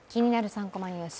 ３コマニュース」